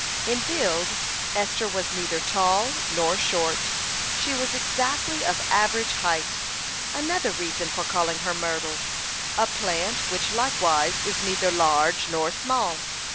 In build, Esther was neither tall nor short, she was exactly of average height, another reason for calling her Myrtle, a plant which likewise is neither large nor small.